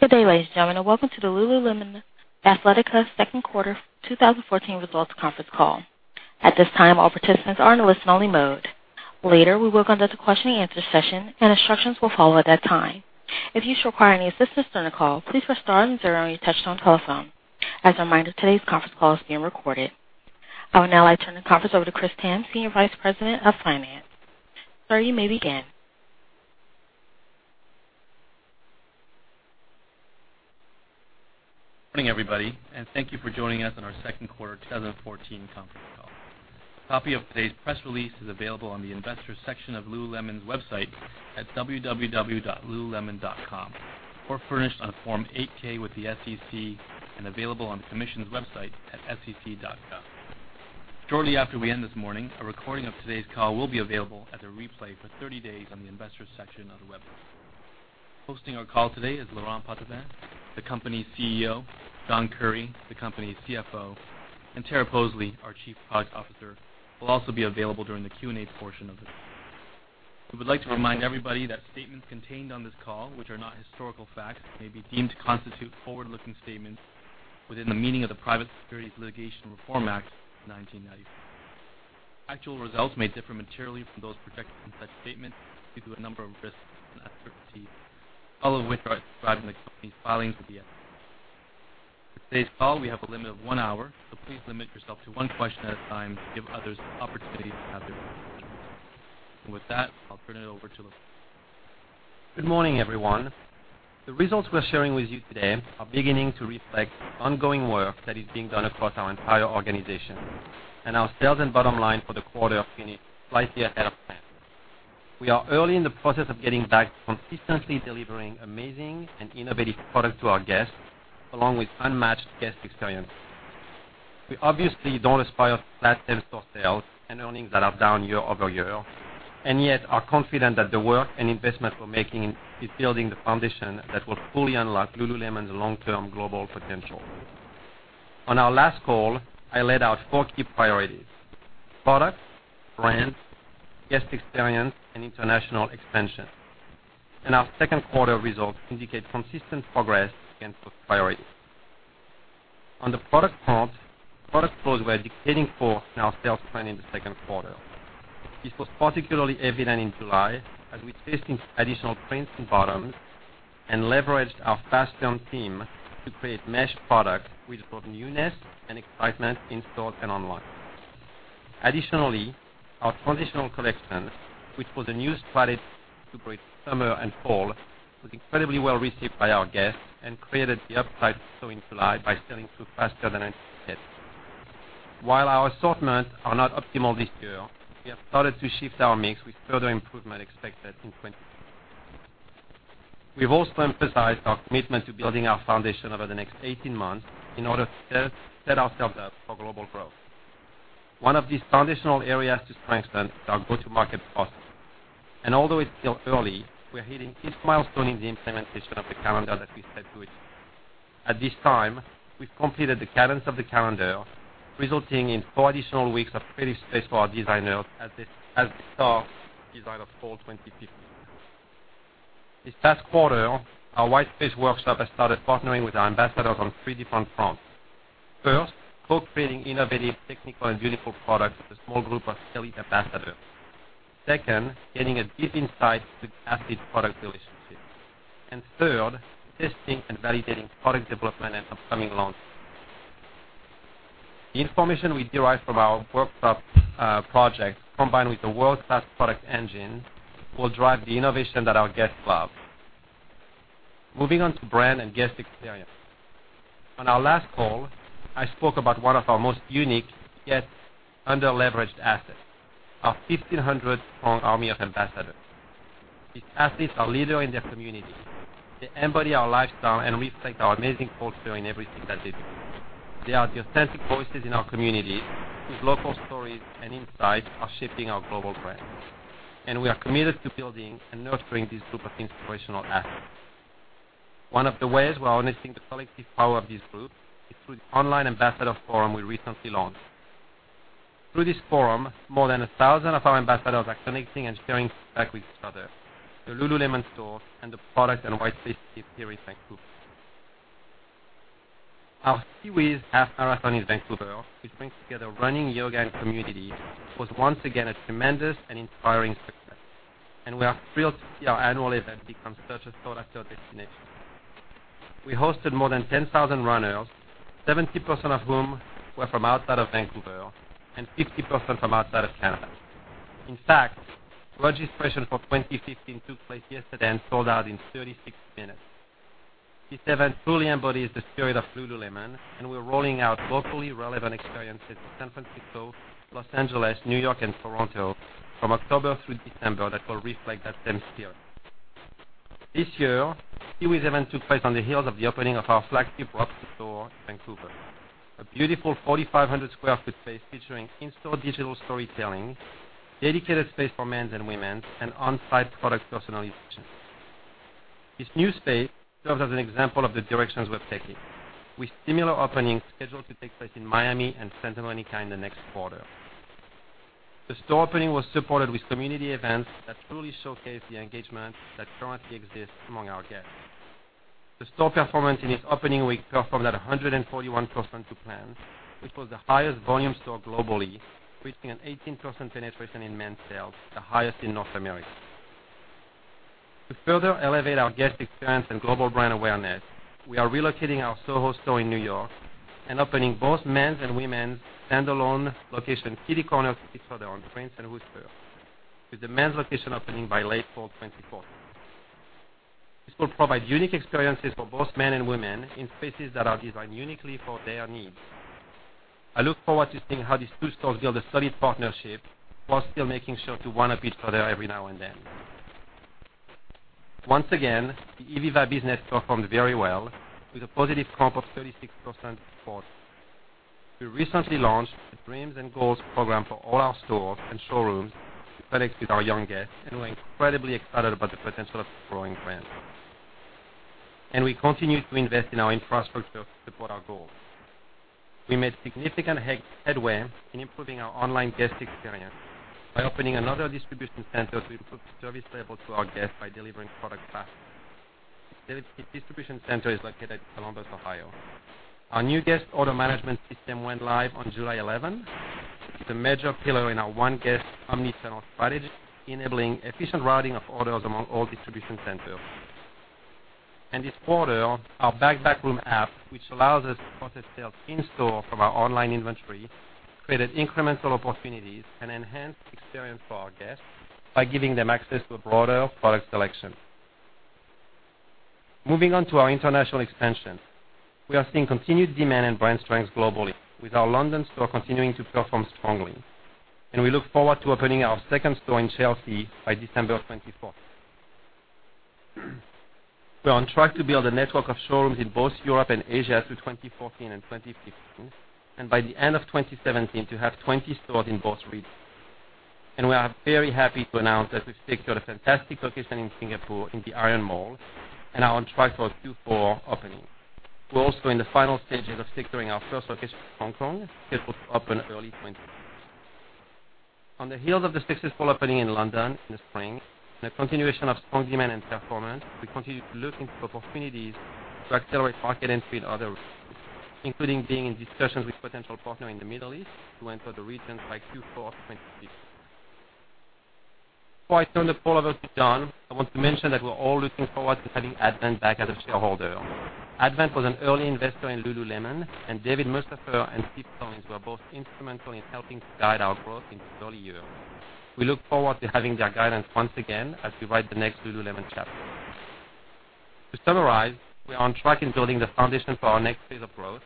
Good day, ladies and gentlemen, welcome to the Lululemon Athletica second quarter 2014 results conference call. At this time, all participants are in a listen-only mode. Later, we will conduct a question and answer session, and instructions will follow at that time. If you should require any assistance during the call, please press star and zero on your touch-tone telephone. As a reminder, today's conference call is being recorded. I would now like to turn the conference over to Chris Tham, Senior Vice President of Finance. Sir, you may begin. Morning, everybody, thank you for joining us on our second quarter 2014 conference call. A copy of today's press release is available on the Investors section of Lululemon's website at www.lululemon.com, or furnished on Form 8-K with the SEC and available on the Commission's website at sec.gov. Shortly after we end this morning, a recording of today's call will be available as a replay for 30 days on the Investors section of the website. Hosting our call today is Laurent Potdevin, the company's CEO, Stuart Haselden, the company's CFO, and Tara Poseley, our Chief Product Officer, will also be available during the Q&A portion of this. We would like to remind everybody that statements contained on this call, which are not historical facts, may be deemed to constitute forward-looking statements within the meaning of the Private Securities Litigation Reform Act of 1995. Actual results may differ materially from those projected in such statements due to a number of risks and uncertainties, all of which are described in the company's filings with the SEC. For today's call, we have a limit of one hour, please limit yourself to one question at a time to give others the opportunity to have theirs answered. With that, I'll turn it over to Laurent. Good morning, everyone. The results we're sharing with you today are beginning to reflect the ongoing work that is being done across our entire organization, our sales and bottom line for the quarter finished slightly ahead of plan. We are early in the process of getting back to consistently delivering amazing and innovative product to our guests, along with unmatched guest experiences. We obviously don't aspire for flat same-store sales and earnings that are down year-over-year, yet are confident that the work and investment we're making is building the foundation that will fully unlock Lululemon's long-term global potential. On our last call, I laid out four key priorities: product, brand, guest experience, and international expansion. Our second quarter results indicate consistent progress against those priorities. On the product front, product flows were ahead of forecast in our sales plan in the second quarter. This was particularly evident in July as we tested additional prints and bottoms and leveraged our fast turn team to create mesh product with both newness and excitement in-store and online. Additionally, our transitional collection, which was a new strategy to bridge summer and fall, was incredibly well received by our guests and created the uptight sewing July by selling through faster than anticipated. While our assortments are not optimal this year, we have started to shift our mix with further improvement expected in 2015. We've also emphasized our commitment to building our foundation over the next 18 months in order to set ourselves up for global growth. One of these foundational areas to strengthen is our go-to-market process. Although it's still early, we're hitting each milestone in the implementation of the calendar that we set to achieve. At this time, we've completed the cadence of the calendar, resulting in 4 additional weeks of creative space for our designers as they start to design of fall 2015. This past quarter, our White Space Workshop has started partnering with our ambassadors on 3 different fronts. First, co-creating innovative, technical, and beautiful products with a small group of elite ambassadors. Second, gaining a deep insight into asset product relationships. Third, testing and validating product development and upcoming launches. The information we derive from our workshop projects, combined with the world-class product engine, will drive the innovation that our guests love. Moving on to brand and guest experience. On our last call, I spoke about one of our most unique yet underleveraged assets, our 1,500-strong army of ambassadors. These athletes are leaders in their communities. They embody our lifestyle and reflect our amazing culture in everything that they do. They are the authentic voices in our community, whose local stories and insights are shaping our global brand. We are committed to building and nurturing this group of inspirational assets. One of the ways we are harnessing the collective power of this group is through the online ambassador forum we recently launched. Through this forum, more than 1,000 of our ambassadors are connecting and sharing back with each other, the Lululemon stores, and the product and White Space team here in Vancouver. Our SeaWheeze Half Marathon in Vancouver, which brings together running, yoga, and community, was once again a tremendous and inspiring success, and we are thrilled to see our annual event become such a sought-after destination. We hosted more than 10,000 runners, 70% of whom were from outside of Vancouver and 50% from outside of Canada. In fact, registration for 2015 took place yesterday and sold out in 36 minutes. This event fully embodies the spirit of Lululemon, and we're rolling out locally relevant experiences in San Francisco, Los Angeles, New York, and Toronto from October through December that will reflect that same spirit. This year, the SeaWheeze event took place on the heels of the opening of our flagship Robson store in Vancouver, a beautiful 4,500 sq ft space featuring in-store digital storytelling, dedicated space for men's and women's, and on-site product personalization. This new space serves as an example of the directions we're taking, with similar openings scheduled to take place in Miami and Santa Monica in the next quarter. The store opening was supported with community events that truly showcase the engagement that currently exists among our guests. The store performance in its opening week performed at 141% to plans, which was the highest volume store globally, reaching an 18% penetration in men's sales, the highest in North America. To further elevate our guest experience and global brand awareness, we are relocating our Soho store in New York and opening both men's and women's standalone locations kitty-corner to each other on Prince and Wooster, with the men's location opening by late fall 2014. This will provide unique experiences for both men and women in spaces that are designed uniquely for their needs. I look forward to seeing how these two stores build a solid partnership while still making sure to one-up each other every now and then. Once again, the ivivva business performed very well with a positive comp of 36% in Q2. We recently launched the Dreams and Goals program for all our stores and showrooms to connect with our young guests, and we're incredibly excited about the potential of this growing brand. We continue to invest in our infrastructure to support our goals. We made significant headway in improving our online guest experience by opening another distribution center to improve service level to our guests by delivering product faster. This distribution center is located in Columbus, Ohio. Our new guest order management system went live on July 11. It's a major pillar in our one guest omni-channel strategy, enabling efficient routing of orders among all distribution centers. This quarter, our Backroom app, which allows us to process sales in store from our online inventory, created incremental opportunities and enhanced experience for our guests by giving them access to a broader product selection. Moving on to our international expansion. We are seeing continued demand and brand strength globally, with our London store continuing to perform strongly. We look forward to opening our second store in Chelsea by December of 2014. We are on track to build a network of showrooms in both Europe and Asia through 2014 and 2015, and by the end of 2017, to have 20 stores in both regions. We are very happy to announce that we've secured a fantastic location in Singapore in the ION Mall and are on track for a Q4 opening. We're also in the final stages of securing our first location in Hong Kong, scheduled to open early 2015. On the heels of the successful opening in London in the spring and a continuation of strong demand and performance, we continue to look into opportunities to accelerate market entry in other regions, including being in discussions with potential partner in the Middle East to enter the region by Q4 of 2015. Before I turn the call over to John, I want to mention that we're all looking forward to having Advent back as a shareholder. Advent was an early investor in Lululemon, and David Mussafer and Steven Collins were both instrumental in helping to guide our growth in its early years. We look forward to having their guidance once again as we write the next Lululemon chapter. To summarize, we are on track in building the foundation for our next phase of growth,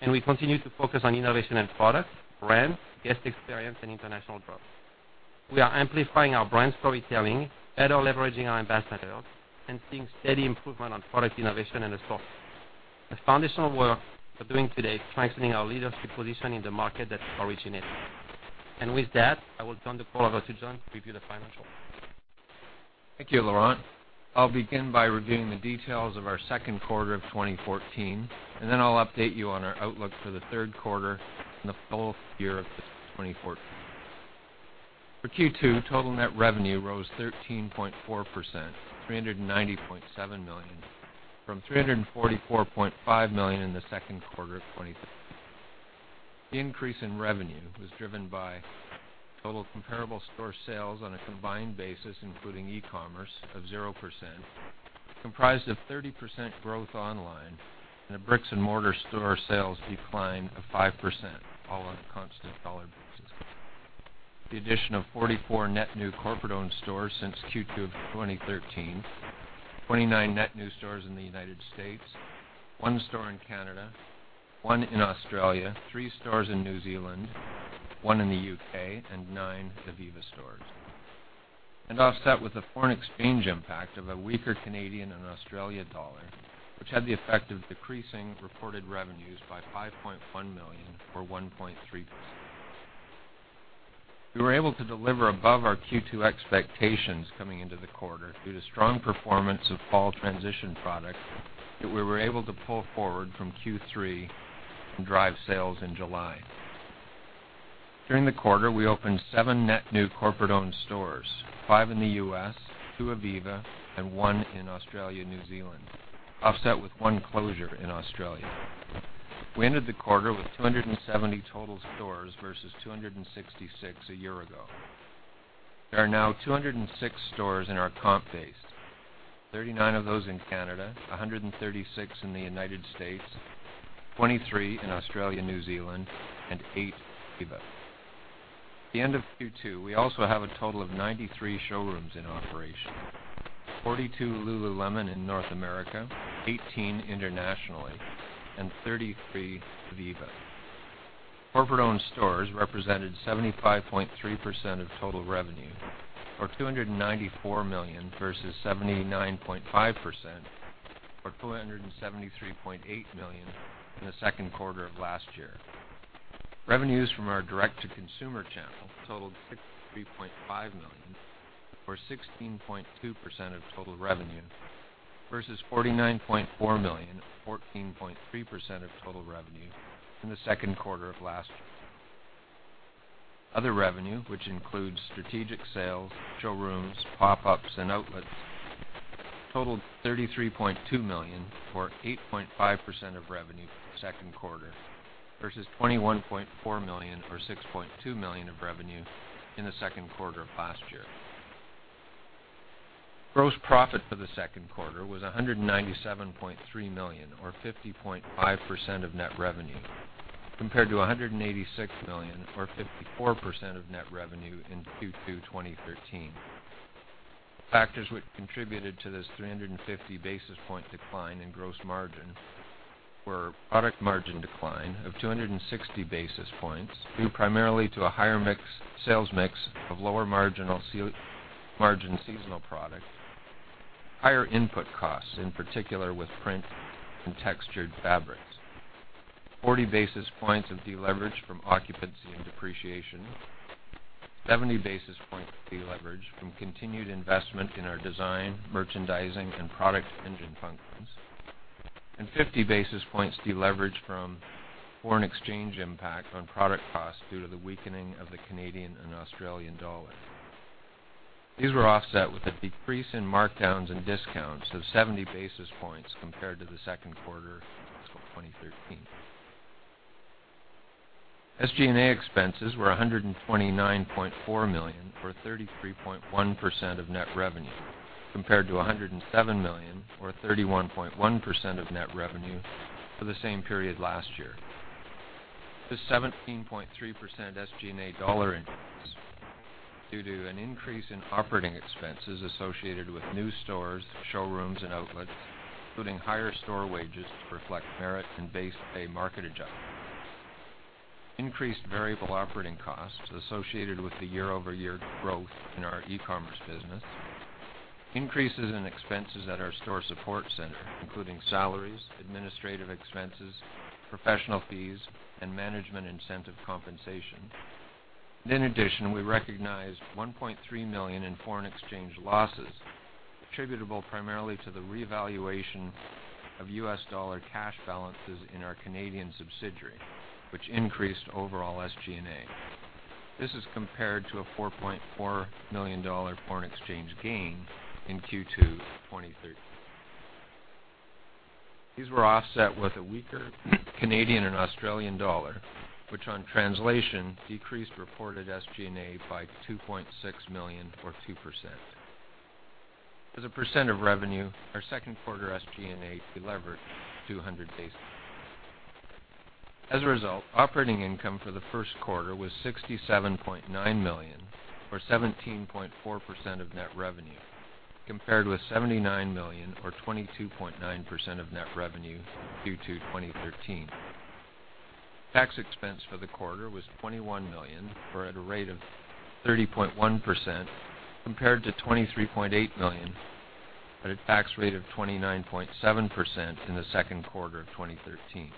and we continue to focus on innovation and products, brands, guest experience, and international growth. We are amplifying our brand storytelling, better leveraging our ambassador network, and seeing steady improvement on product innovation and assortments. The foundational work we're doing today is strengthening our leadership position in the market that we originated in. With that, I will turn the call over to John to review the financials. Thank you, Laurent. I'll begin by reviewing the details of our second quarter of 2014, then I'll update you on our outlook for the third quarter and the full year of 2014. For Q2, total net revenue rose 13.4%, $390.7 million from $344.5 million in the second quarter of 2013. The increase in revenue was driven by total comparable store sales on a combined basis, including e-commerce of 0%, comprised of 30% growth online and a bricks-and-mortar store sales decline of 5%, all on a constant dollar basis. The addition of 44 net new corporate-owned stores since Q2 of 2013, 29 net new stores in the U.S., one store in Canada, one in Australia, three stores in New Zealand, one in the U.K., and nine ivivva stores. Offset with a foreign exchange impact of a weaker Canadian and Australia dollar, which had the effect of decreasing reported revenues by $5.1 million or 1.3%. We were able to deliver above our Q2 expectations coming into the quarter due to strong performance of fall transition product that we were able to pull forward from Q3 and drive sales in July. During the quarter, we opened seven net new corporate-owned stores, five in the U.S., two ivivva, and one in Australia/New Zealand, offset with one closure in Australia. We ended the quarter with 270 total stores versus 266 a year ago. There are now 206 stores in our comp base, 39 of those in Canada, 136 in the U.S., 23 in Australia/New Zealand, and eight ivivva. At the end of Q2, we also have a total of 93 showrooms in operation, 42 Lululemon in North America, 18 internationally, and 33 ivivva. Corporate-owned stores represented 75.3% of total revenue, or $294 million versus 79.5%, or $273.8 million in the second quarter of last year. Revenues from our direct-to-consumer channel totaled $63.5 million or 16.2% of total revenue, versus $49.4 million, or 14.3% of total revenue in the second quarter of last year. Other revenue, which includes strategic sales, showrooms, pop-ups, and outlets, totaled $33.2 million, or 8.5% of revenue for the second quarter, versus $21.4 million or $6.2 million of revenue in the second quarter of last year. Gross profit for the second quarter was $197.3 million or 50.5% of net revenue, compared to $186 million or 54% of net revenue in Q2 2013. Factors which contributed to this 350 basis point decline in gross margin were product margin decline of 260 basis points, due primarily to a higher sales mix of lower marginal margin seasonal product, higher input costs, in particular with print and textured fabrics, 40 basis points of deleverage from occupancy and depreciation, 70 basis points of deleverage from continued investment in our design, merchandising, and product engine functions, and 50 basis points deleverage from foreign exchange impact on product costs due to the weakening of the Canadian and Australian dollar. These were offset with a decrease in markdowns and discounts of 70 basis points compared to the second quarter of 2013. SG&A expenses were $129.4 million, or 33.1% of net revenue, compared to $107 million or 31.1% of net revenue for the same period last year. This 17.3% SG&A dollar increase was due to an increase in operating expenses associated with new stores, showrooms and outlets, including higher store wages to reflect merit and base pay market adjustments. Increased variable operating costs associated with the year-over-year growth in our e-commerce business, increases in expenses at our store support center, including salaries, administrative expenses, professional fees, and management incentive compensation. In addition, we recognized $1.3 million in foreign exchange losses, attributable primarily to the revaluation of U.S. dollar cash balances in our Canadian subsidiary, which increased overall SG&A. This is compared to a $4.4 million foreign exchange gain in Q2 2013. These were offset with a weaker Canadian and Australian dollar, which on translation decreased reported SG&A by $2.6 million or 2%. As a percent of revenue, our second quarter SG&A delevered 200 basis points. As a result, operating income for the first quarter was $67.9 million or 17.4% of net revenue, compared with $79 million or 22.9% of net revenue in Q2 2013. Tax expense for the quarter was $21 million or at a rate of 30.1%, compared to $23.8 million at a tax rate of 29.7% in the second quarter of 2013.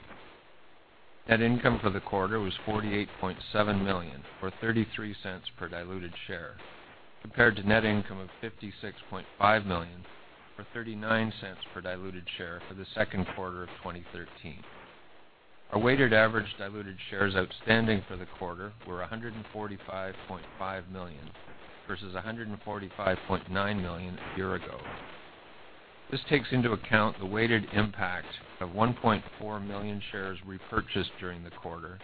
Net income for the quarter was $48.7 million, or $0.33 per diluted share, compared to net income of $56.5 million or $0.39 per diluted share for the second quarter of 2013. Our weighted average diluted shares outstanding for the quarter were 145.5 million, versus 145.9 million a year ago. This takes into account the weighted impact of 1.4 million shares repurchased during the quarter,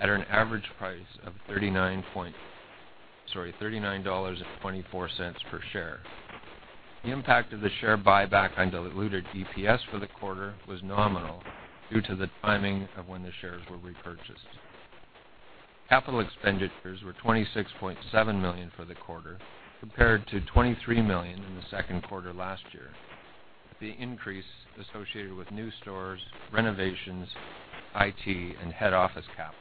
at an average price of $39.24 per share. The impact of the share buyback on diluted EPS for the quarter was nominal due to the timing of when the shares were repurchased. Capital expenditures were $26.7 million for the quarter, compared to $23 million in the second quarter last year. The increase associated with new stores, renovations, IT, and head office capital.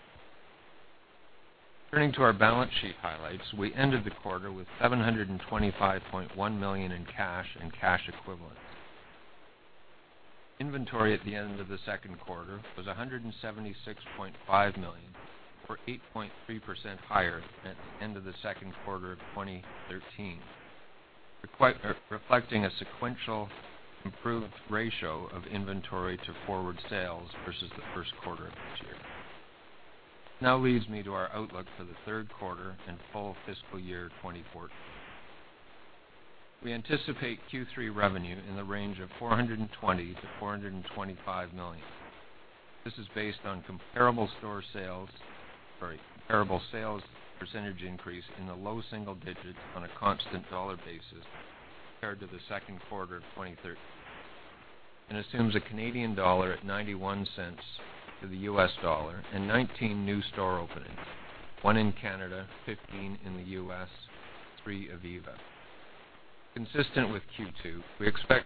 Turning to our balance sheet highlights. We ended the quarter with $725.1 million in cash and cash equivalents. Inventory at the end of the second quarter was $176.5 million, or 8.3% higher than at the end of the second quarter of 2013, reflecting a sequential improved ratio of inventory to forward sales versus the first quarter of this year. This now leads me to our outlook for the third quarter and full fiscal year 2014. We anticipate Q3 revenue in the range of $420 million-$425 million. This is based on comparable store sales. Sorry. Comparable sales percentage increase in the low single digits on a constant dollar basis compared to the second quarter of 2013, assumes a Canadian dollar at $0.91 to the U.S. dollar and 19 new store openings, one in Canada, 15 in the U.S., three ivivva. Consistent with Q2, we expect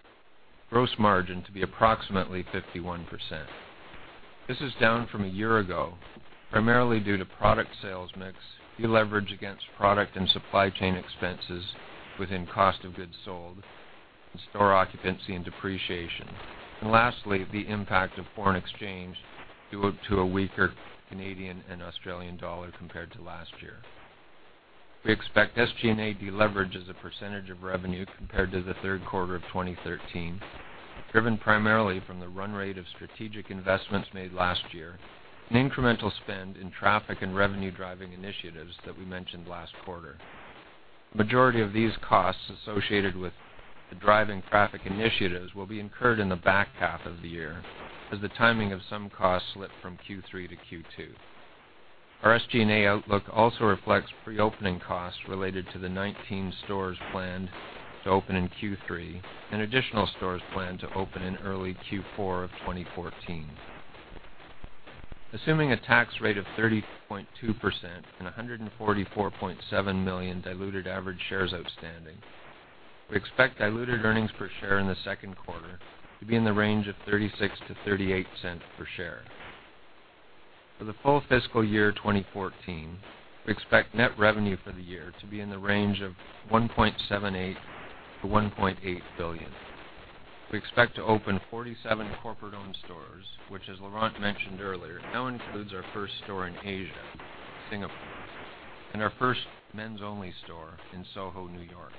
gross margin to be approximately 51%. This is down from a year ago, primarily due to product sales mix, deleverage against product and supply chain expenses within cost of goods sold. Store occupancy and depreciation. Lastly, the impact of foreign exchange due to a weaker Canadian and Australian dollar compared to last year. We expect SG&A deleverage as a percentage of revenue compared to the third quarter of 2013, driven primarily from the run rate of strategic investments made last year, an incremental spend in traffic and revenue-driving initiatives that we mentioned last quarter. Majority of these costs associated with the driving traffic initiatives will be incurred in the back half of the year, as the timing of some costs slip from Q3 to Q2. Our SG&A outlook also reflects pre-opening costs related to the 19 stores planned to open in Q3 and additional stores planned to open in early Q4 of 2014. Assuming a tax rate of 30.2% and 144.7 million diluted average shares outstanding, we expect diluted earnings per share in the second quarter to be in the range of $0.36-$0.38 per share. For the full fiscal year 2014, we expect net revenue for the year to be in the range of $1.78 billion-$1.8 billion. We expect to open 47 corporate-owned stores, which, as Laurent mentioned earlier, now includes our first store in Asia, Singapore, and our first men's only store in SoHo, New York.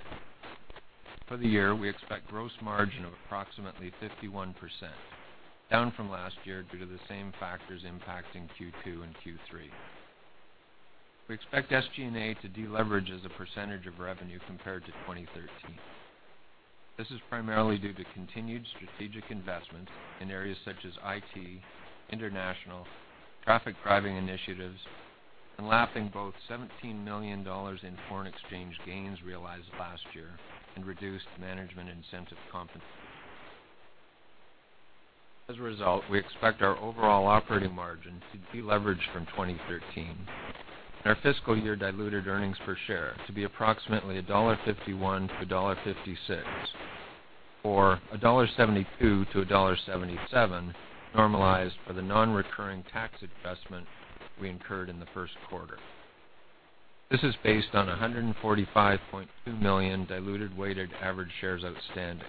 For the year, we expect gross margin of approximately 51%, down from last year due to the same factors impacting Q2 and Q3. We expect SG&A to deleverage as a percentage of revenue compared to 2013. This is primarily due to continued strategic investments in areas such as IT, international, traffic-driving initiatives, and lapping both $17 million in foreign exchange gains realized last year and reduced management incentive compensation. As a result, we expect our overall operating margin to deleverage from 2013, and our fiscal year diluted earnings per share to be approximately $1.51-$1.56, or $1.72-$1.77 normalized for the non-recurring tax adjustment we incurred in the first quarter. This is based on 145.2 million diluted weighted average shares outstanding.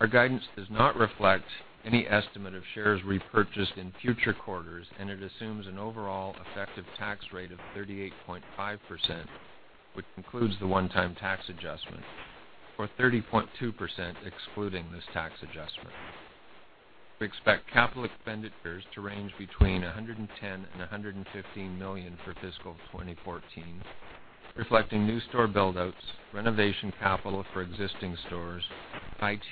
Our guidance does not reflect any estimate of shares repurchased in future quarters. It assumes an overall effective tax rate of 38.5%, which includes the one-time tax adjustment, or 30.2%, excluding this tax adjustment. We expect capital expenditures to range between $110 million-$115 million for fiscal 2014, reflecting new store build-outs, renovation capital for existing stores, IT,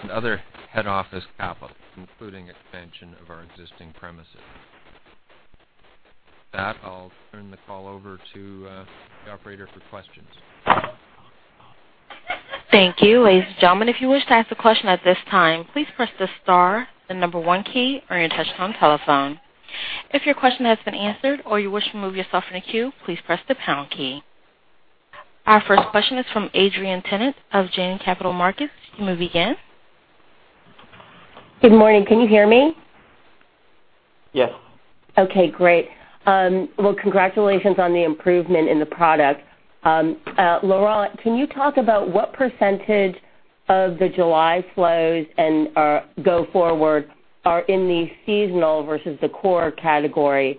and other head office capital, including expansion of our existing premises. With that, I'll turn the call over to the operator for questions. Thank you. Ladies and gentlemen, if you wish to ask a question at this time, please press the star, the number one key on your touchtone telephone. If your question has been answered or you wish to remove yourself from the queue, please press the pound key. Our first question is from Adrienne Tennant of Janney Capital Markets. You may begin. Good morning. Can you hear me? Yes. Congratulations on the improvement in the product. Laurent, can you talk about what % of the July flows and go-forward are in the seasonal versus the core category?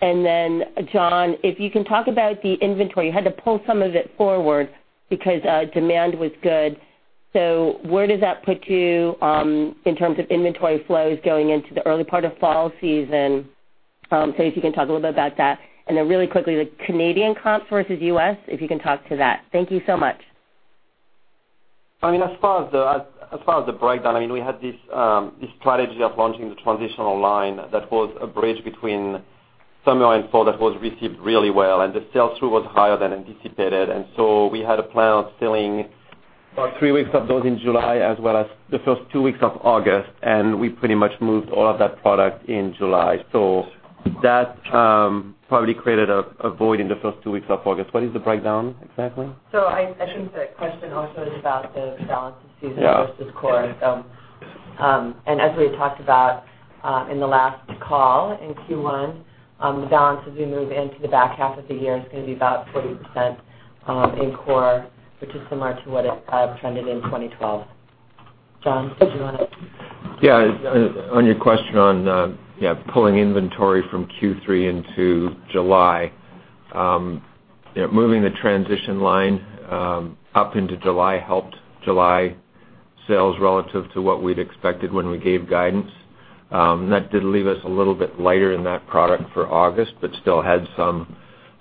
John, if you can talk about the inventory. You had to pull some of it forward because demand was good. Where does that put you in terms of inventory flows going into the early part of fall season? If you can talk a little bit about that. Then really quickly, the Canadian comps versus U.S., if you can talk to that. Thank you so much. As far as the breakdown, we had this strategy of launching the transitional line that was a bridge between summer and fall that was received really well. The sell-through was higher than anticipated. We had a plan on selling about three weeks of those in July, as well as the first two weeks of August. We pretty much moved all of that product in July. That probably created a void in the first two weeks of August. What is the breakdown exactly? I think the question also is about the balance of. Yeah. Versus core. As we had talked about in the last call in Q1, the balances as we move into the back half of the year is going to be about 40% in core, which is similar to what it trended in 2012. John, did you want to Yeah. On your question on pulling inventory from Q3 into July. Moving the transition line up into July helped July sales relative to what we'd expected when we gave guidance. That did leave us a little bit lighter in that product for August, but still had some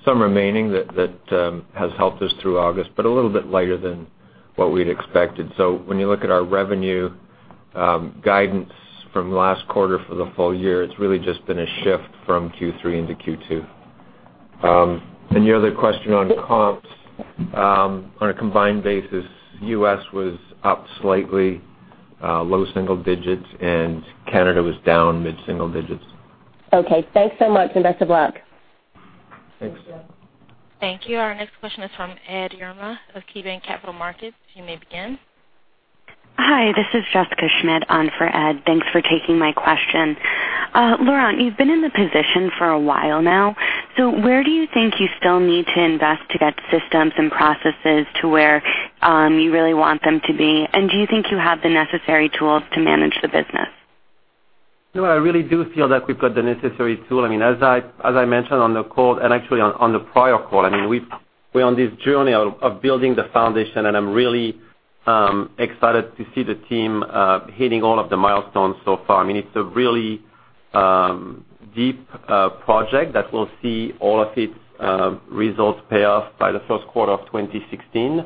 remaining that has helped us through August, but a little bit lighter than what we'd expected. When you look at our revenue guidance from last quarter for the full year, it's really just been a shift from Q3 into Q2. Your other question on comps. On a combined basis, U.S. was up slightly, low single digits, and Canada was down mid-single digits. Okay, thanks so much, and best of luck. Thanks. Thank you. Thank you. Our next question is from Ed Yruma of KeyBanc Capital Markets. You may begin. Hi, this is Jessica Schmidt on for Ed. Thanks for taking my question. Laurent, you've been in the position for a while now, where do you think you still need to invest to get systems and processes to where you really want them to be? Do you think you have the necessary tools to manage the business? I really do feel that we've got the necessary tool. As I mentioned on the call and actually on the prior call, we're on this journey of building the foundation, I'm really excited to see the team hitting all of the milestones so far. It's a really deep project that will see all of its results pay off by the first quarter of 2016.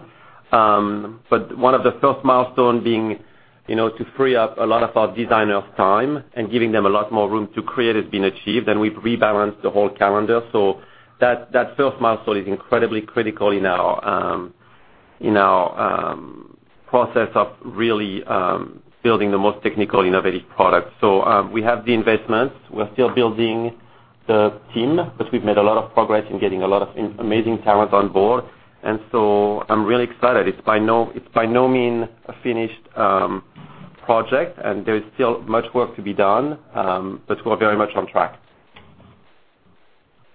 One of the first milestones being to free up a lot of our designers' time and giving them a lot more room to create has been achieved, we've rebalanced the whole calendar. That first milestone is incredibly critical in our process of really building the most technically innovative product. We have the investments. We're still building the team, we've made a lot of progress in getting a lot of amazing talent on board, I'm really excited. It's by no means a finished project, there is still much work to be done. We're very much on track,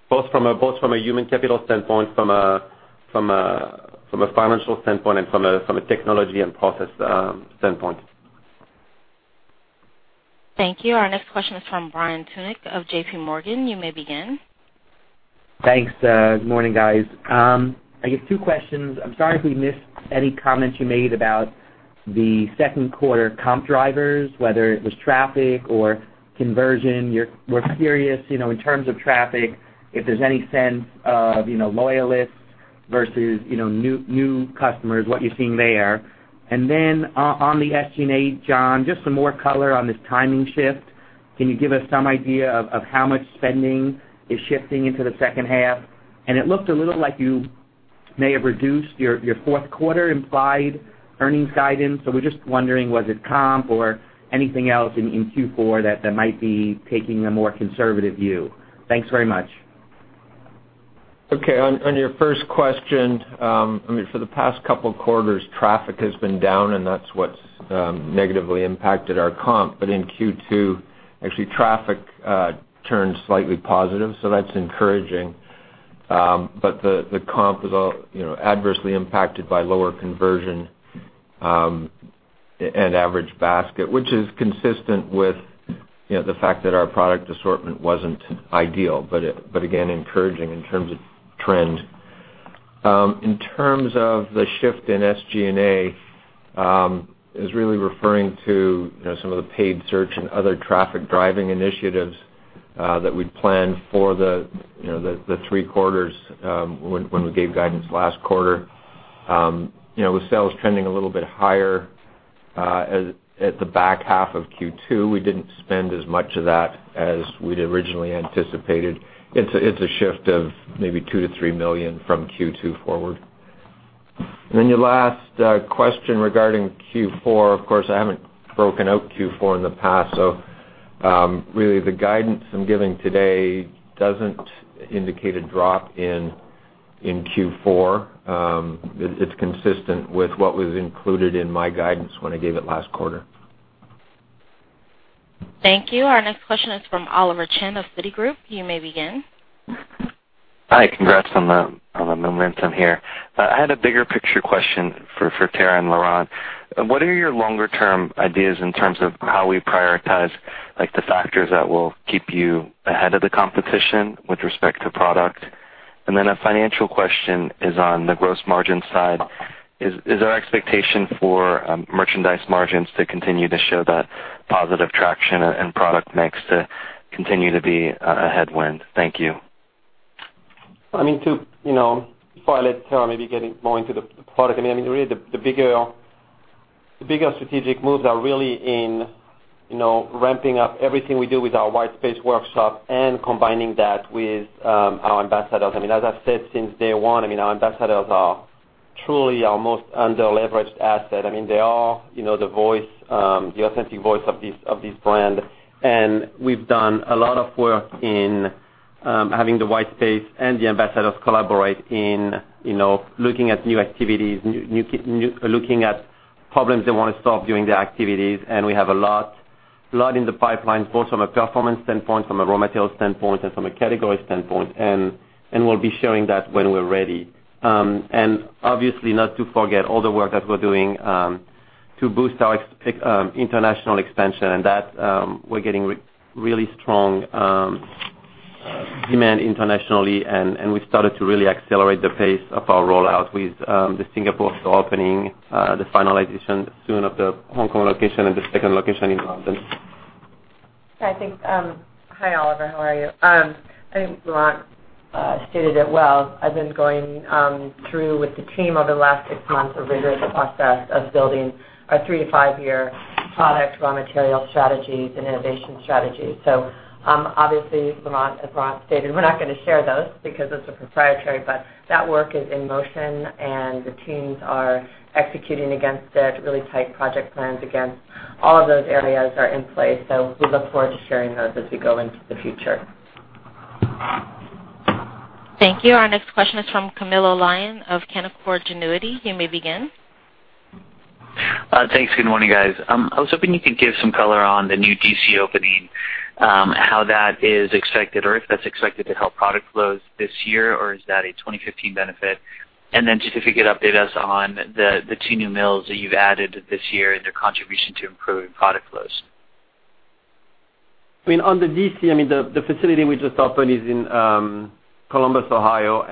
both from a human capital standpoint, from a financial standpoint, and from a technology and process standpoint. Thank you. Our next question is from Brian Tunick of JPMorgan. You may begin. Thanks. Good morning, guys. I guess two questions. I'm sorry if we missed any comments you made about the second quarter comp drivers, whether it was traffic or conversion. We're curious, in terms of traffic, if there's any sense of loyalists versus new customers, what you're seeing there. On the SG&A, John, just some more color on this timing shift. Can you give us some idea of how much spending is shifting into the second half? It looked a little like you may have reduced your fourth quarter implied earnings guidance. We're just wondering, was it comp or anything else in Q4 that might be taking a more conservative view? Thanks very much. Okay. On your first question, for the past couple of quarters, traffic has been down, and that's what's negatively impacted our comp. In Q2, actually traffic turned slightly positive, that's encouraging. The comp was adversely impacted by lower conversion and average basket, which is consistent with the fact that our product assortment wasn't ideal, but again, encouraging in terms of trend. In terms of the shift in SG&A, is really referring to some of the paid search and other traffic-driving initiatives that we'd planned for the three quarters when we gave guidance last quarter. With sales trending a little bit higher at the back half of Q2, we didn't spend as much of that as we'd originally anticipated. It's a shift of maybe $2 million-$3 million from Q2 forward. Your last question regarding Q4, of course, I haven't broken out Q4 in the past, really the guidance I'm giving today doesn't indicate a drop in Q4. It's consistent with what was included in my guidance when I gave it last quarter. Thank you. Our next question is from Oliver Chen of Citigroup. You may begin. Hi. Congrats on the momentum here. I had a bigger picture question for Tara and Laurent. What are your longer-term ideas in terms of how we prioritize the factors that will keep you ahead of the competition with respect to product? A financial question is on the gross margin side. Is our expectation for merchandise margins to continue to show that positive traction and product mix to continue to be a headwind? Thank you. Before I let Tara maybe get more into the product, really the bigger strategic moves are really in ramping up everything we do with our White Space Workshop and combining that with our ambassadors. As I've said since day one, our ambassadors are truly our most under-leveraged asset. They are the authentic voice of this brand, we've done a lot of work in having the White Space and the ambassadors collaborate in looking at new activities, looking at problems they want to solve during their activities, we have a lot in the pipeline, both from a performance standpoint, from a raw material standpoint, from a category standpoint, we'll be sharing that when we're ready. Obviously not to forget all the work that we're doing to boost our international expansion. We're getting really strong demand internationally. We've started to really accelerate the pace of our rollout with the Singapore store opening, the finalization soon of the Hong Kong location, and the second location in London. Yeah, thanks. Hi, Oliver. How are you? I think Laurent stated it well. I've been going through with the team over the last six months a rigorous process of building our three- to five-year product, raw material strategies, and innovation strategies. Obviously, as Laurent stated, we're not going to share those because those are proprietary. That work is in motion, and the teams are executing against it. Really tight project plans against all of those areas are in place. We look forward to sharing those as we go into the future. Thank you. Our next question is from Camilo Lyon of Canaccord Genuity. You may begin. Thanks. Good morning, guys. I was hoping you could give some color on the new DC opening, how that is expected, or if that's expected to help product flows this year, or is that a 2015 benefit? Then just if you could update us on the two new mills that you've added this year and their contribution to improving product flows. The DC, the facility we just opened is in Columbus, Ohio.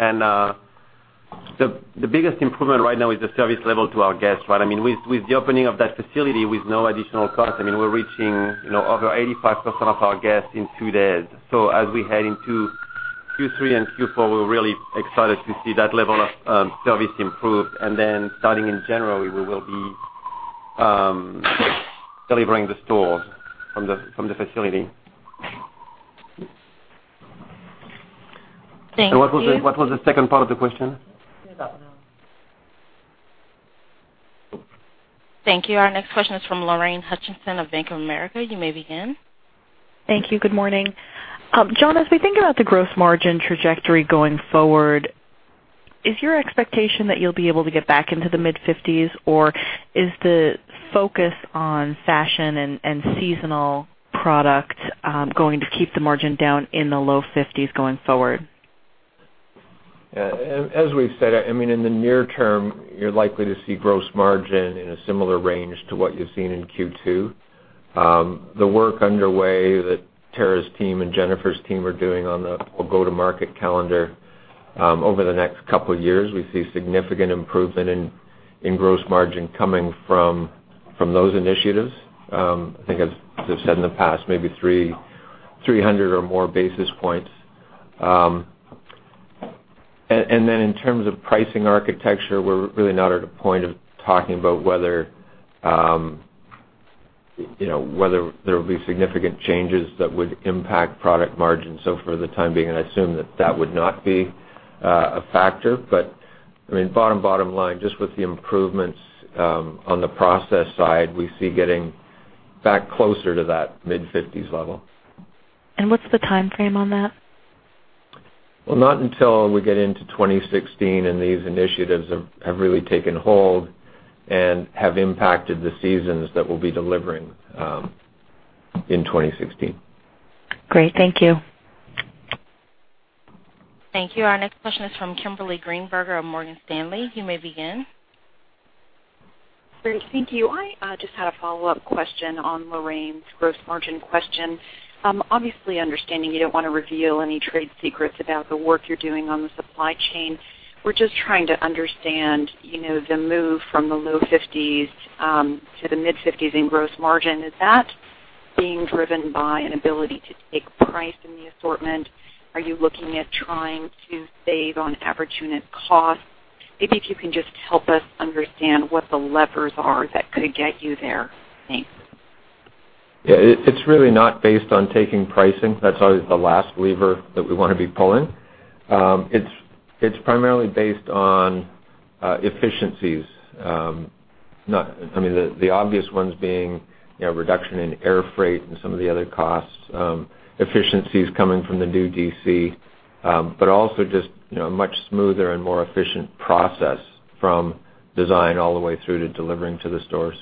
The biggest improvement right now is the service level to our guests. With the opening of that facility with no additional cost, we're reaching over 85% of our guests in two days. As we head into Q3 and Q4, we're really excited to see that level of service improve. Then starting in January, we will be delivering the stores from the facility. Thank you. What was the second part of the question? You got one on. Thank you. Our next question is from Lorraine Hutchinson of Bank of America. You may begin. Thank you. Good morning. John, as we think about the gross margin trajectory going forward, is your expectation that you'll be able to get back into the mid-50s%, or is the focus on fashion and seasonal product going to keep the margin down in the low 50s% going forward? As we've said, in the near term, you're likely to see gross margin in a similar range to what you've seen in Q2. The work underway that Tara's team and Jennifer's team are doing on the go-to-market calendar. Over the next couple of years, we see significant improvement in gross margin coming from those initiatives. I think as I've said in the past, maybe 300 or more basis points. In terms of pricing architecture, we're really not at a point of talking about whether there will be significant changes that would impact product margin. For the time being, I assume that that would not be a factor. Bottom line, just with the improvements on the process side, we see getting back closer to that mid-50s% level. What's the timeframe on that? Well, not until we get into 2016 and these initiatives have really taken hold and have impacted the seasons that we'll be delivering in 2016. Great. Thank you. Thank you. Our next question is from Kimberly Greenberger of Morgan Stanley. You may begin. Great. Thank you. I just had a follow-up question on Lorraine's gross margin question. Obviously, understanding you don't want to reveal any trade secrets about the work you're doing on the supply chain, we're just trying to understand the move from the low 50s to the mid 50s in gross margin. Is that being driven by an ability to take price in the assortment? Are you looking at trying to save on average unit cost? Maybe if you can just help us understand what the levers are that could get you there. Thanks. Yeah. It's really not based on taking pricing. That's always the last lever that we want to be pulling. It's primarily based on efficiencies. The obvious ones being reduction in air freight and some of the other costs, efficiencies coming from the new DC, but also just a much smoother and more efficient process from design all the way through to delivering to the stores.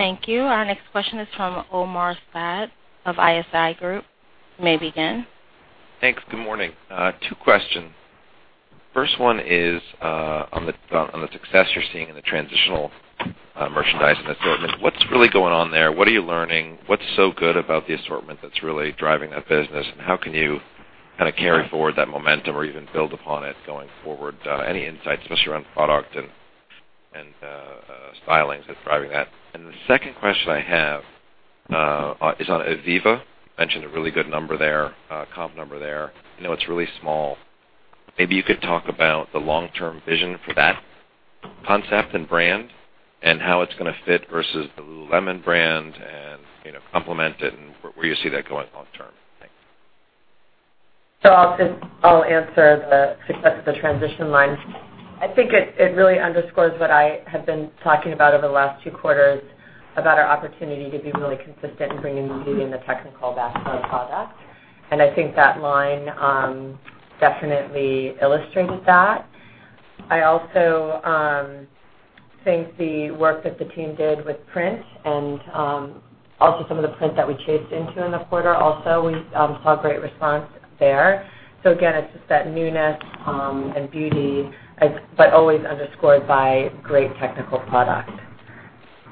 Thank you. Our next question is from Omar Saad of ISI Group. You may begin. Thanks. Good morning. Two questions. First one is on the success you're seeing in the transitional merchandising assortment. What's really going on there? What are you learning? What's so good about the assortment that's really driving that business, and how can you carry forward that momentum or even build upon it going forward? Any insights, especially around product and stylings that's driving that. The second question I have is on ivivva. You mentioned a really good comp number there. I know it's really small. Maybe you could talk about the long-term vision for that concept and brand, and how it's going to fit versus the Lululemon brand and complement it, and where you see that going long term. Thanks. I'll answer the success of the transition line. I think it really underscores what I have been talking about over the last two quarters about our opportunity to be really consistent in bringing beauty and the technical back to our product. I think that line definitely illustrates that. I also think the work that the team did with print and also some of the print that we chased into in the quarter also, we saw great response there. Again, it's just that newness and beauty, but always underscored by great technical product.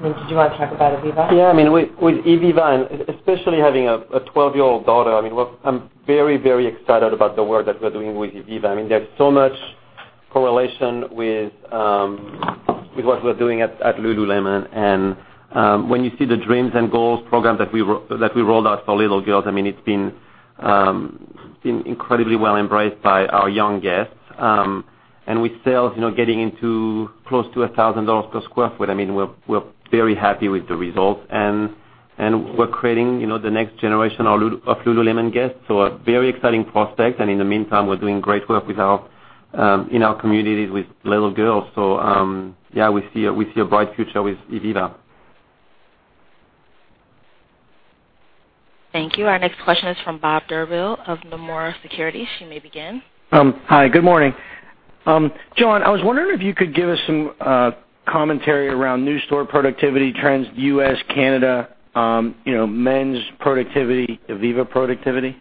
Laurent, did you want to talk about ivivva? With ivivva, especially having a 12-year-old daughter, I'm very excited about the work that we're doing with ivivva. There's so much correlation with what we're doing at Lululemon. When you see the Dreams and Goals program that we rolled out for little girls, it's been incredibly well embraced by our young guests. With sales getting into close to $1,000 per square foot, we're very happy with the results, and we're creating the next generation of Lululemon guests. A very exciting prospect. In the meantime, we're doing great work in our communities with little girls. We see a bright future with ivivva. Thank you. Our next question is from Bob Drbul of Nomura Securities. You may begin. Hi, good morning. John, I was wondering if you could give us some commentary around new store productivity trends, U.S., Canada, men's productivity, ivivva productivity.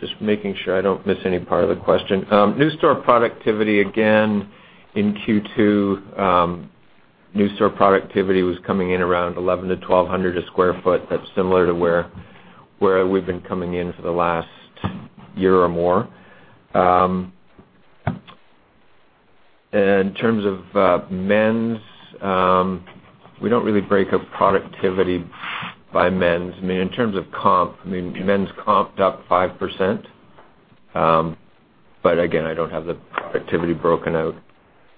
Just making sure I don't miss any part of the question. New store productivity, again, in Q2, new store productivity was coming in around 1,100 to 1,200 a square foot. That's similar to where we've been coming in for the last year or more. In terms of men's, we don't really break up productivity by men's. In terms of comp, men's comped up 5%. Again, I don't have the productivity broken out.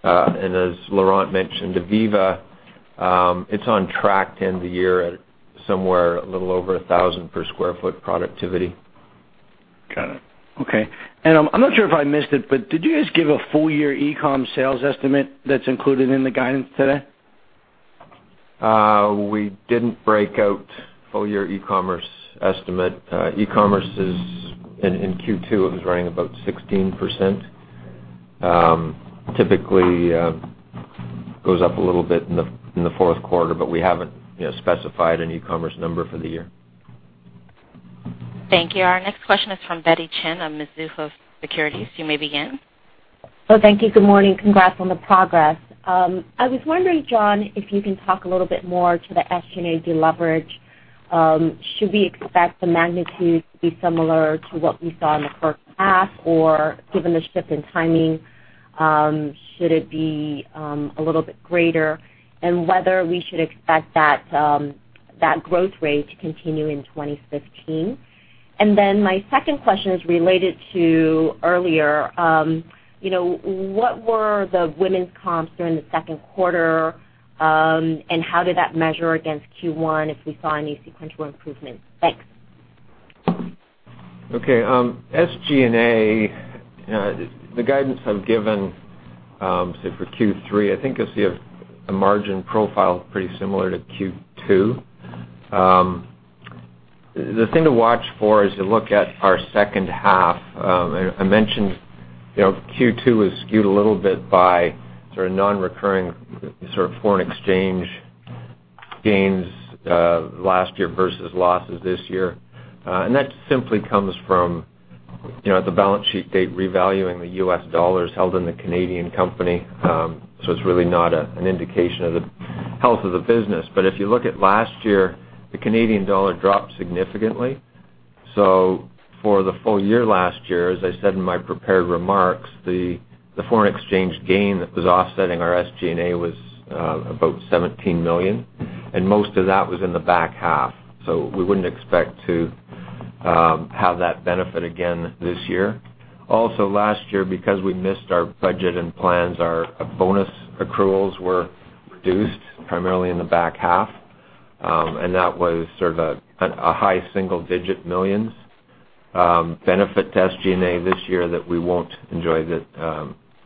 As Laurent mentioned, ivivva, it's on track to end the year at somewhere a little over 1,000 per square foot productivity. Got it. Okay. I'm not sure if I missed it, but did you just give a full year e-com sales estimate that's included in the guidance today? We didn't break out full year e-commerce estimate. E-commerce is in Q2, it was running about 16%. Typically, goes up a little bit in the fourth quarter, we haven't specified an e-commerce number for the year. Thank you. Our next question is from Betty Chen of Mizuho Securities. You may begin. Thank you. Good morning. Congrats on the progress. I was wondering, John, if you can talk a little bit more to the SG&A deleverage. Should we expect the magnitude to be similar to what we saw in the first half, or given the shift in timing, should it be a little bit greater? Whether we should expect that growth rate to continue in 2015. My second question is related to earlier. What were the women's comps during the second quarter, and how did that measure against Q1 if we saw any sequential improvements? Thanks. Okay. SG&A, the guidance I've given, say for Q3, I think you'll see a margin profile pretty similar to Q2. The thing to watch for as you look at our second half, I mentioned, Q2 was skewed a little bit by sort of non-recurring, sort of foreign exchange gains, last year versus losses this year. That simply comes from the balance sheet date revaluing the U.S. dollars held in the Canadian company. It's really not an indication of the health of the business. If you look at last year, the Canadian dollar dropped significantly. For the full year last year, as I said in my prepared remarks, the foreign exchange gain that was offsetting our SG&A was about $17 million, and most of that was in the back half. We wouldn't expect to have that benefit again this year. Also last year, because we missed our budget and plans, our bonus accruals were reduced primarily in the back half, and that was sort of a high single-digit millions benefit to SG&A this year that we won't enjoy,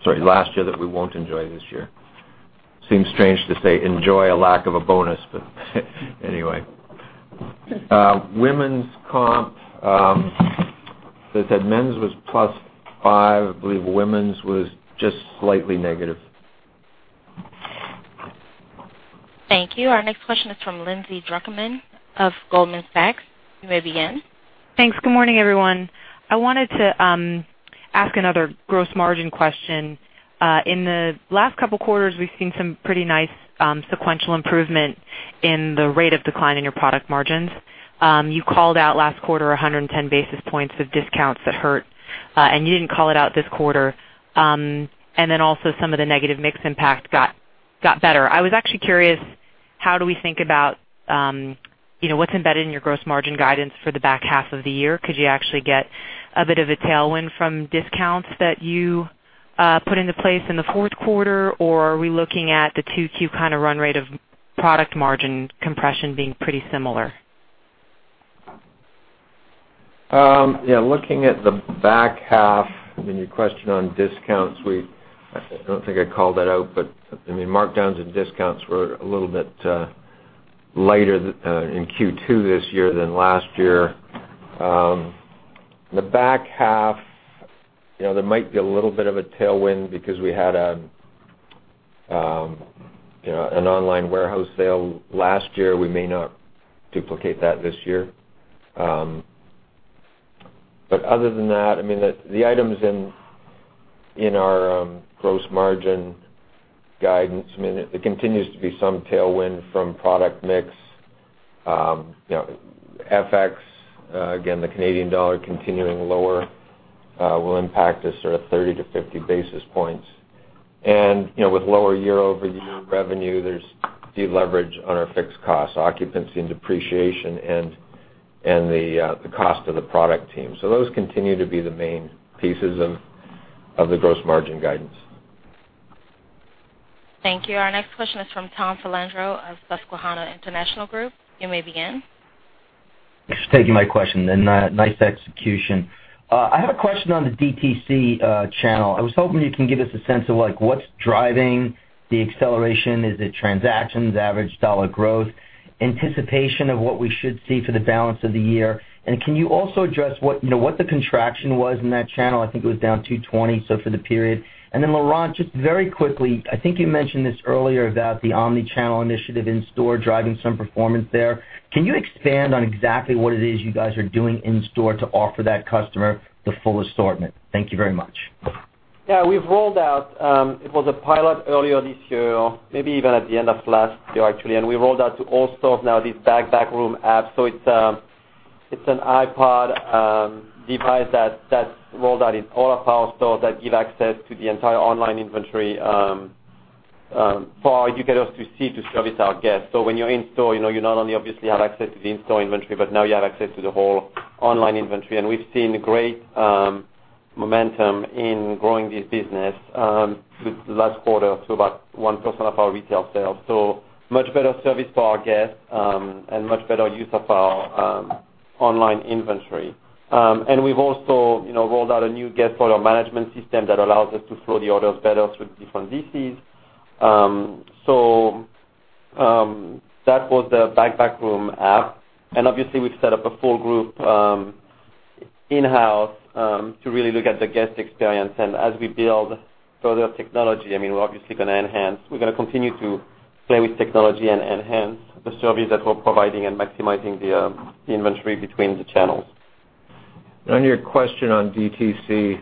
sorry, last year that we won't enjoy this year. Seems strange to say enjoy a lack of a bonus, anyway. Women's comp. As I said, men's was +5%. I believe women's was just slightly negative. Thank you. Our next question is from Lindsay Drucker Mann of Goldman Sachs. You may begin. Thanks. Good morning, everyone. I wanted to ask another gross margin question. In the last couple of quarters, we've seen some pretty nice sequential improvement in the rate of decline in your product margins. You called out last quarter 110 basis points of discounts that hurt, and you didn't call it out this quarter. Also some of the negative mix impact got better. I was actually curious, how do we think about what's embedded in your gross margin guidance for the back half of the year? Could you actually get a bit of a tailwind from discounts that you put into place in the fourth quarter, or are we looking at the 2Q kind of run rate of product margin compression being pretty similar? Yeah, looking at the back half, your question on discounts, I don't think I called that out, but markdowns and discounts were a little bit lighter in Q2 this year than last year. The back half, there might be a little bit of a tailwind because we had an online warehouse sale last year. We may not duplicate that this year. Other than that, the items in our gross margin guidance, there continues to be some tailwind from product mix. FX, again, the Canadian dollar continuing lower will impact us sort of 30-50 basis points. With lower year-over-year revenue, there's deleverage on our fixed costs, occupancy and depreciation and the cost of the product team. Those continue to be the main pieces of the gross margin guidance. Thank you. Our next question is from Tom Salandro of Susquehanna International Group. You may begin. Thanks for taking my question and nice execution. I have a question on the DTC channel. I was hoping you can give us a sense of what's driving the acceleration. Is it transactions, average dollar growth, anticipation of what we should see for the balance of the year? Can you also address what the contraction was in that channel? I think it was down 220 for the period. Then Laurent, just very quickly, I think you mentioned this earlier about the omni-channel initiative in-store driving some performance there. Can you expand on exactly what it is you guys doing in store to offer that customer the full assortment? Thank you very much. Yeah. We've rolled out, it was a pilot earlier this year, maybe even at the end of last year, actually, and we rolled out to all stores now this Backroom app. It's an iPod device that's rolled out in all of our stores that give access to the entire online inventory, for our educators to see to service our guests. When you're in store, you not only obviously have access to the in-store inventory, but now you have access to the whole online inventory. We've seen great momentum in growing this business with last quarter to about 1% of our retail sales. Much better service for our guests, much better use of our online inventory. We've also rolled out a new guest order management system that allows us to flow the orders better through different VCs. That was the Backroom app. Obviously, we've set up a full group in-house to really look at the guest experience. As we build further technology, we're obviously going to continue to play with technology and enhance the service that we're providing and maximizing the inventory between the channels. On your question on DTC,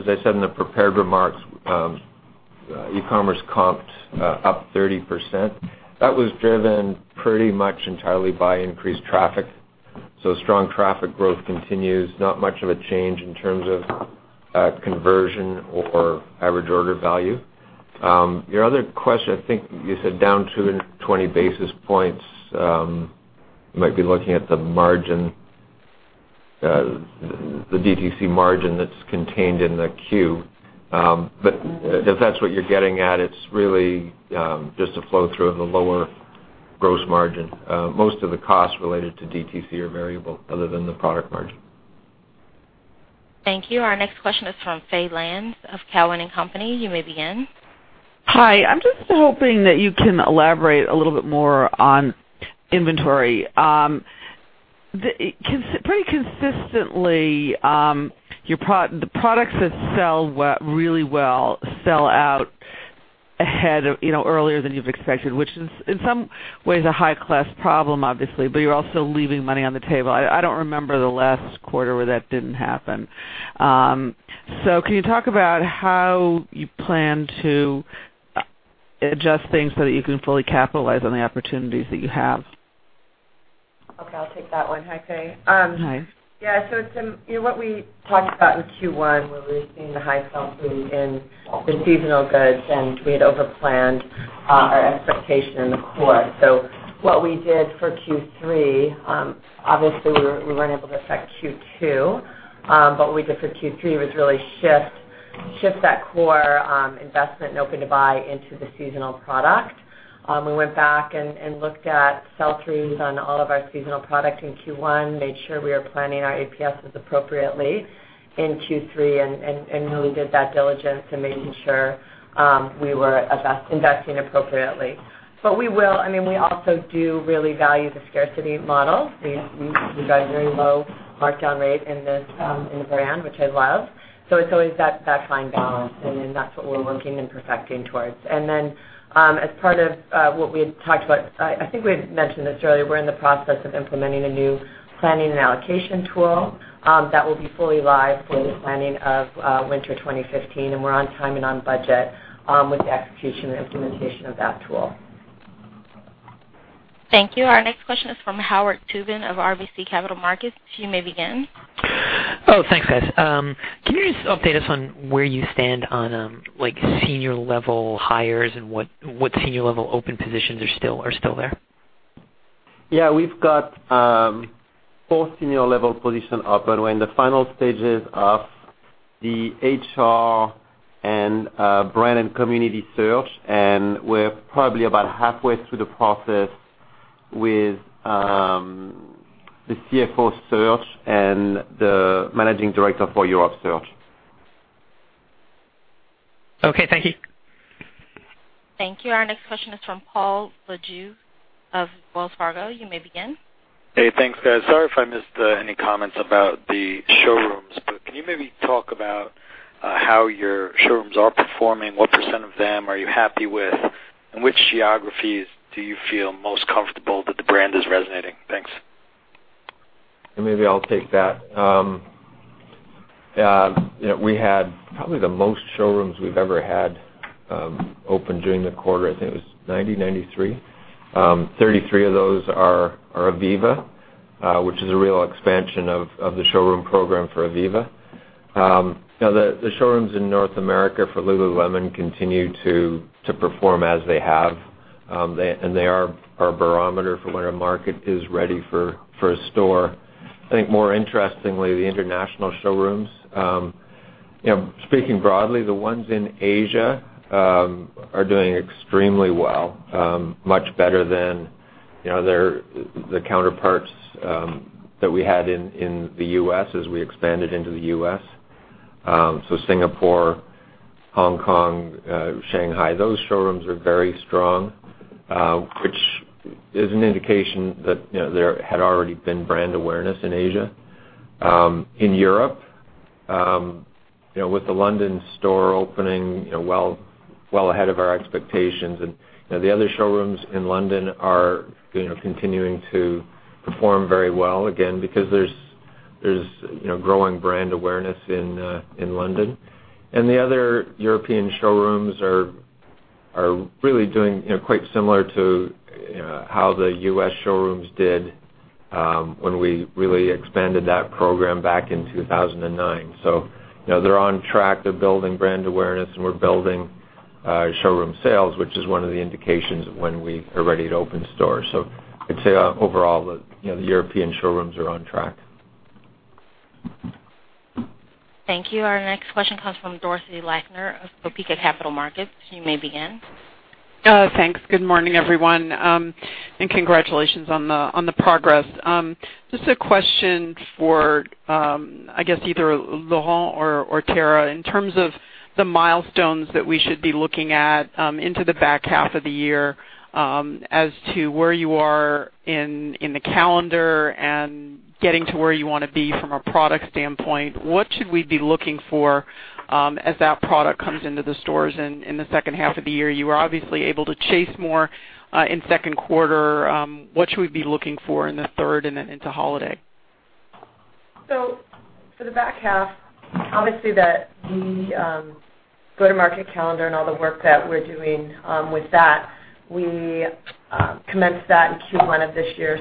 as I said in the prepared remarks, e-commerce comped up 30%. That was driven pretty much entirely by increased traffic. Strong traffic growth continues, not much of a change in terms of conversion or average order value. Your other question, I think you said down 20 basis points. You might be looking at the DTC margin that's contained in the Q. If that's what you're getting at, it's really just a flow through of the lower gross margin. Most of the costs related to DTC are variable other than the product margin. Thank you. Our next question is from Faye Landes of Cowen and Company. You may begin. Hi. I'm just hoping that you can elaborate a little bit more on inventory. Pretty consistently, the products that sell really well sell out earlier than you've expected, which is in some ways a high-class problem, obviously, but you're also leaving money on the table. I don't remember the last quarter where that didn't happen. Can you talk about how you plan to adjust things so that you can fully capitalize on the opportunities that you have? Okay, I'll take that one. Hi, Faye. Hi. Yeah. What we talked about in Q1, where we've seen the high sell-through in the seasonal goods, and we had overplanned our expectation in the core. What we did for Q3, obviously we weren't able to affect Q2. What we did for Q3 was really shift that core investment and open-to-buy into the seasonal product. We went back and looked at sell-throughs on all of our seasonal product in Q1, made sure we were planning our APS appropriately in Q3 and really did that diligence and making sure we were investing appropriately. We will. We also do really value the scarcity model. We've got very low markdown rate in the brand, which I love. It's always that fine balance, and then that's what we're working and perfecting towards. As part of what we had talked about, I think we had mentioned this earlier, we're in the process of implementing a new planning and allocation tool, that will be fully live for the planning of winter 2015, and we're on time and on budget, with the execution and implementation of that tool. Thank you. Our next question is from Howard Tubin of RBC Capital Markets. You may begin. Oh, thanks, guys. Can you just update us on where you stand on senior level hires and what senior level open positions are still there? Yeah. We've got four senior level position open. We're in the final stages of the HR and brand and community search, and we're probably about halfway through the process with the CFO search and the managing director for Europe search. Okay. Thank you. Thank you. Our next question is from Paul Lejuez of Wells Fargo. You may begin. Thanks, guys. Sorry if I missed any comments about the showrooms, can you maybe talk about how your showrooms are performing, what % of them are you happy with, and which geographies do you feel most comfortable that the brand is resonating? Thanks. Maybe I'll take that. We had probably the most showrooms we've ever had open during the quarter. I think it was 90, 93. 33 of those are ivivva, which is a real expansion of the showroom program for ivivva. The showrooms in North America for Lululemon continue to perform as they have. They are our barometer for when a market is ready for a store. I think more interestingly, the international showrooms. Speaking broadly, the ones in Asia are doing extremely well, much better than the counterparts that we had in the U.S. as we expanded into the U.S. Singapore, Hong Kong, Shanghai, those showrooms are very strong, which is an indication that there had already been brand awareness in Asia. In Europe, with the London store opening well ahead of our expectations, the other showrooms in London are continuing to perform very well, again, because there's growing brand awareness in London. The other European showrooms are really doing quite similar to how the U.S. showrooms did when we really expanded that program back in 2009. They're on track. They're building brand awareness, and we're building showroom sales, which is one of the indications of when we are ready to open stores. I'd say overall, the European showrooms are on track. Thank you. Our next question comes from Dorothy Lakner of Topeka Capital Markets. You may begin. Thanks. Good morning, everyone, and congratulations on the progress. Just a question for, I guess, either Laurent or Tara. In terms of the milestones that we should be looking at into the back half of the year as to where you are in the calendar and getting to where you want to be from a product standpoint, what should we be looking for as that product comes into the stores in the second half of the year? You were obviously able to chase more in second quarter. What should we be looking for in the third and then into holiday? For the back half, obviously, the go-to-market calendar and all the work that we're doing with that, we commenced that in Q1 of this year.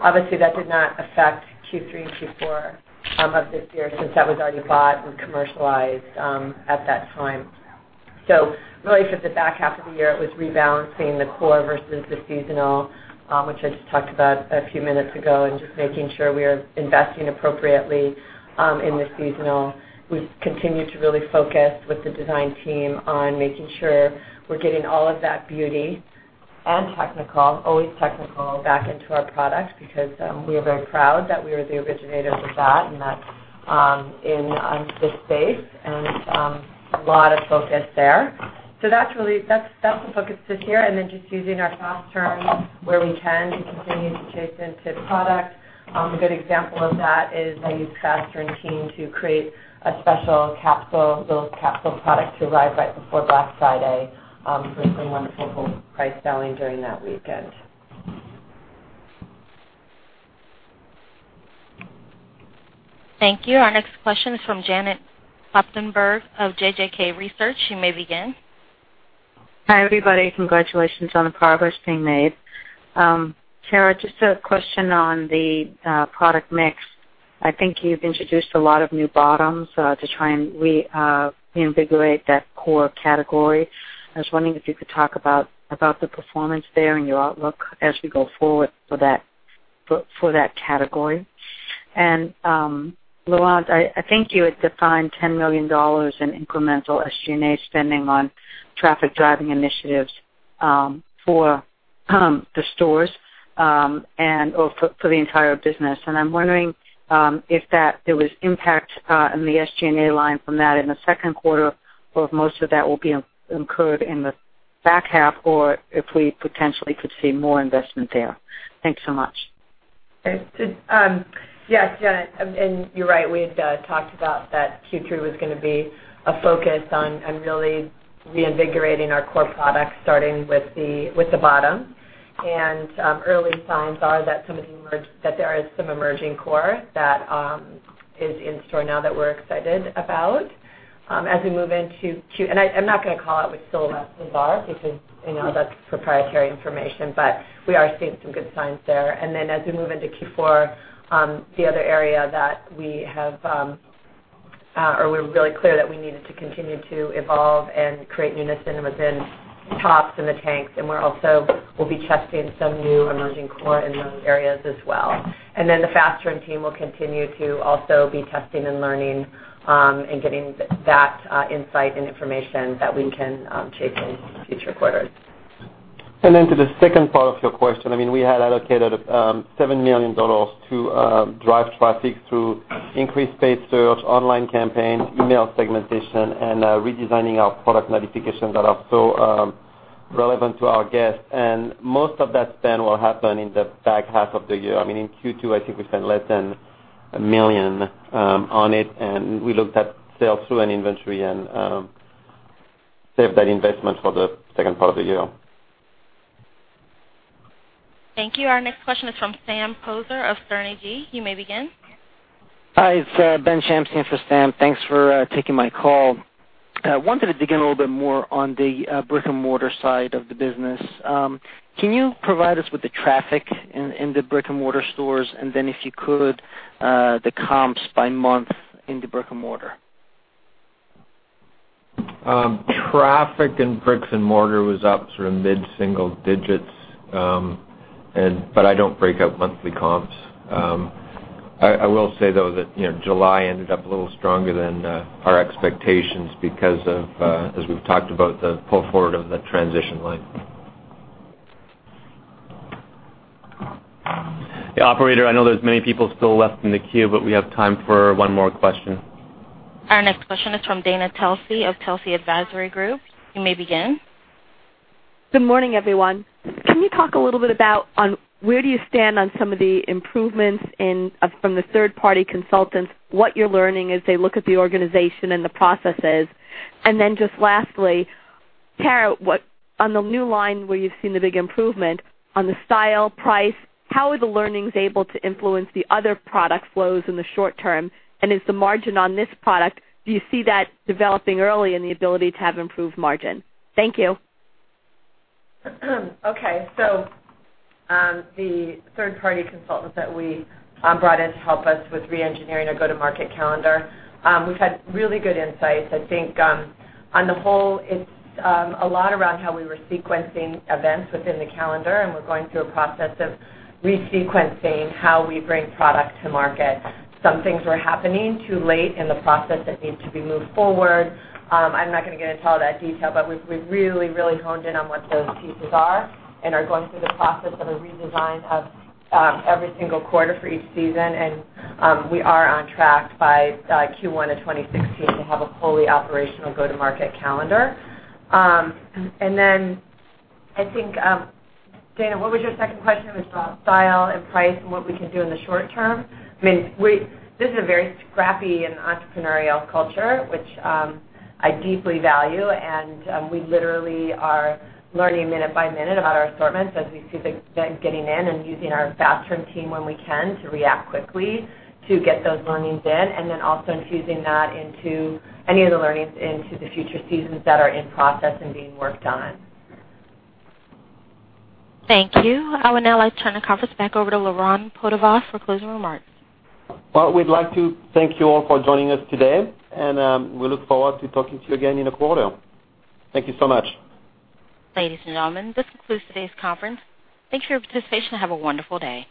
Obviously that did not affect Q3 and Q4 of this year since that was already bought and commercialized at that time. Really for the back half of the year, it was rebalancing the core versus the seasonal, which I just talked about a few minutes ago, and just making sure we are investing appropriately in the seasonal. We've continued to really focus with the design team on making sure we're getting all of that beauty and technical, always technical, back into our product because we are very proud that we are the originators of that, and that's in this space, and a lot of focus there. That's the focus this year. Just using our fast turn where we can to continue to chase into products. A good example of that is I used fast turn team to create a special little capsule product to arrive right before Black Friday for some wonderful price selling during that weekend. Thank you. Our next question is from Janet Kloppenburg of JJK Research. You may begin. Hi, everybody. Congratulations on the progress being made. Tara, just a question on the product mix. I think you've introduced a lot of new bottoms to try and reinvigorate that core category. I was wondering if you could talk about the performance there and your outlook as we go forward for that category. Laurent, I think you had defined $10 million in incremental SG&A spending on traffic-driving initiatives for the stores and/or for the entire business. I'm wondering if there was impact on the SG&A line from that in the second quarter, or if most of that will be incurred in the back half, or if we potentially could see more investment there. Thanks so much. Yes, Janet, you're right. We had talked about that Q3 was going to be a focus on really reinvigorating our core products, starting with the bottom. Early signs are that there is some emerging core that is in store now that we're excited about. I'm not going to call out which silhouettes those are because that's proprietary information, but we are seeing some good signs there. As we move into Q4, the other area that we're really clear that we needed to continue to evolve and create newness in was in tops and the tanks, and we also will be testing some new emerging core in those areas as well. The fast turn team will continue to also be testing and learning, and getting that insight and information that we can chase in future quarters. To the second part of your question, we had allocated $7 million to drive traffic through increased paid search, online campaigns, email segmentation, and redesigning our product notifications that are so relevant to our guests. Most of that spend will happen in the back half of the year. In Q2, I think we spent less than $1 million on it, and we looked at sales through and inventory and saved that investment for the second part of the year. Thank you. Our next question is from Sam Poser of Sterne Agee CRT. You may begin. Hi, it's Ben Shamsky for Sam. Thanks for taking my call. Wanted to dig in a little bit more on the brick-and-mortar side of the business. Can you provide us with the traffic in the brick-and-mortar stores? Then if you could, the comps by month in the brick-and-mortar. Traffic in brick-and-mortar was up mid-single digits. I don't break out monthly comps. I will say, though, that July ended up a little stronger than our expectations because of, as we've talked about, the pull forward of the transition line. Yeah, operator, I know there's many people still left in the queue. We have time for one more question. Our next question is from Dana Telsey of Telsey Advisory Group. You may begin. Good morning, everyone. Can you talk a little bit about where do you stand on some of the improvements from the third-party consultants, what you're learning as they look at the organization and the processes? Lastly, Tara, on the new line where you've seen the big improvement on the style, price, how are the learnings able to influence the other product flows in the short term? Is the margin on this product, do you see that developing early in the ability to have improved margin? Thank you. The third-party consultant that we brought in to help us with re-engineering a go-to-market calendar. We've had really good insights. I think, on the whole, it's a lot around how we were sequencing events within the calendar. We're going through a process of re-sequencing how we bring product to market. Some things were happening too late in the process that needs to be moved forward. I'm not going to get into all that detail, but we've really, really honed in on what those pieces are and are going through the process of a redesign of every single quarter for each season. We are on track by Q1 of 2016 to have a fully operational go-to-market calendar. I think, Dana, what was your second question? It was about style and price and what we can do in the short term. This is a very scrappy and entrepreneurial culture, which I deeply value. We literally are learning minute by minute about our assortments as we see things getting in using our fast turn team when we can to react quickly to get those learnings in, also infusing any of the learnings into the future seasons that are in process and being worked on. Thank you. I would now like to turn the conference back over to Laurent Potdevin for closing remarks. Well, we'd like to thank you all for joining us today, and we look forward to talking to you again in a quarter. Thank you so much. Ladies and gentlemen, this concludes today's conference. Thanks for your participation and have a wonderful day.